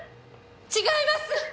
違います！